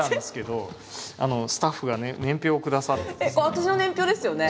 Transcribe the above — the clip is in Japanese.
私の年表ですよね？